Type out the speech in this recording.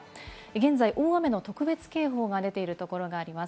現在、大雨の特別警報が出ているところがあります